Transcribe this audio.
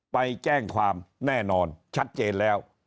ไปแจ้งความแน่นอนชัดเจนแล้ว